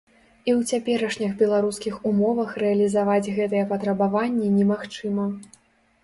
І ў цяперашніх беларускіх умовах рэалізаваць гэтыя патрабаванні немагчыма.